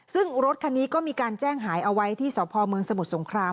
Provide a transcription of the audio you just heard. ซึ่งรถคันนี้ก็มีการแจ้งหายเอาไว้ที่สพเมืองสมุทรสงคราม